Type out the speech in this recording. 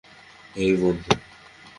হেই, বন্ধু।